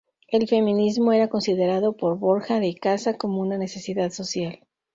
El feminismo era considerado por Borja de Icaza como una necesidad social.